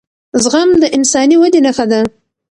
زغم د انساني ودې نښه ده